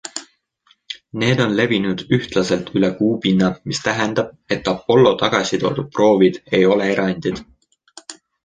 Need on levinud ühtlaselt üle Kuu pinna, mis tähendab, et Apollo tagasi toodud proovid ei ole erandid.